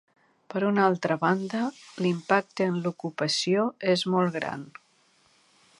Per una altra banda, l’impacte en l’ocupació és molt gran.